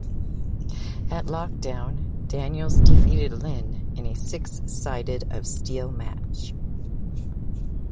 At Lockdown, Daniels defeated Lynn in a Six Sides of Steel match.